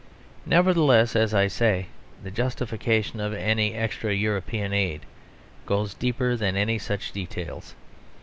Nevertheless, as I say, the justification of any extra European aid goes deeper than any such details.